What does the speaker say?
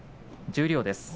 十両です。